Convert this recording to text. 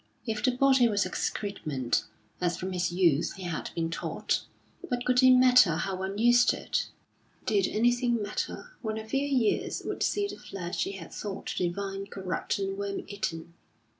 If the body was excrement, as from his youth he had been taught, what could it matter how one used it! Did anything matter, when a few years would see the flesh he had thought divine corrupt and worm eaten?